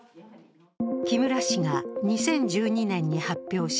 木村氏が２０１２年に発表し、